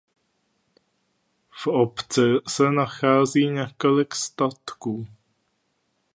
V obci se nachází několik statků.